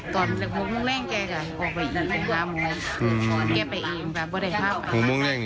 พ่อพูดว่าพ่อพูดว่าพ่อพูดว่า